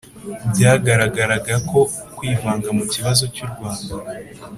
byagaragaraga ko kwivanga mu kibazo cy'u rwanda